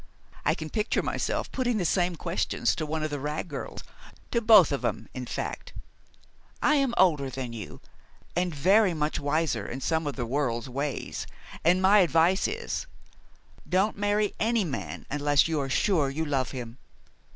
I can picture myself putting the same questions to one of the Wragg girls to both of 'em, in fact. I am older than you, and very much wiser in some of the world's ways, and my advice is, Don't marry any man unless you are sure you love him.